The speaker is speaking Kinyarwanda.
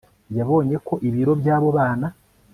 yabonye ko ibiro by'abo bana